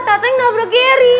tata yang nabrak geri